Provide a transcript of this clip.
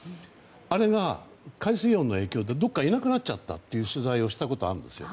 あれが海水温の影響でいなくなっちゃったという取材をしたことがあるんですよ。